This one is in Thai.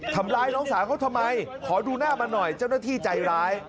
ทำร้ายน้องสาวเขาทำไมขอดูหน้ามันหน่อยเจ้าหน้าที่ใจร้าย